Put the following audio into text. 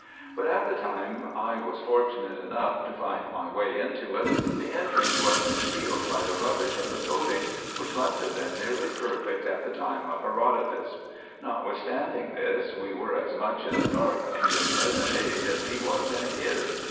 But at the time I was fortunate enough to find my way into it, the entrance was concealed by the rubbish of the coating, which must have been nearly perfect at the time of Herodotus : notwithstanding this we were as much in the dark in this present age, as he was in his.